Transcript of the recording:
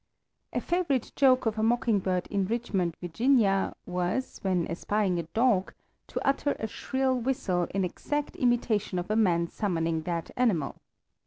A favorite joke of a mockingbird in Richmond, Va., was, when espying a dog, to utter a shrill whistle in exact imitation of a man summoning that animal.